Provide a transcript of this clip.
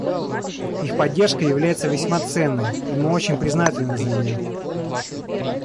Их поддержка является весьма ценной, и мы очень признательны за нее.